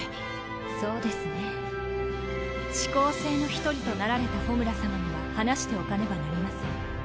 そうですね四煌星の１人となられたホムラ様には話しておかねばなりません。